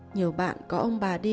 nhiều bạn có ông bà đi